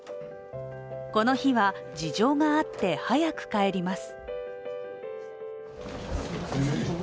この日は事情があって早く帰ります。